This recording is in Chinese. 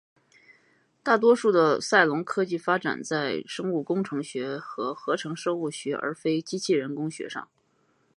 大多数的赛隆科技发展在生物工程学和合成生物学而非机器人工学上。